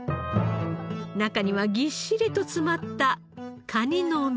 中にはぎっしりと詰まったカニの身。